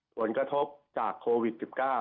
ผลกระทบจากโควิด๑๙